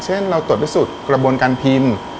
เช่นเราตรวจพิสูจน์กระบวนการพิมพ์